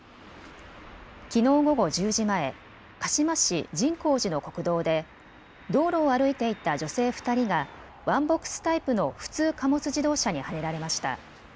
きのう午後１０時前、鹿嶋市神向寺の国道で道路を歩いていた女性２人がワンボックスタイプの普通貨物自動車にはねられました。